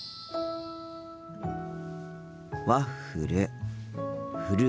ワッフル。